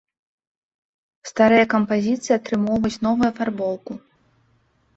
Старыя кампазіцыі атрымоўваюць новую афарбоўку.